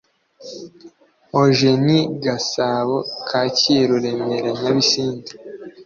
eugenie gasabo kacyiru remera nyabisindu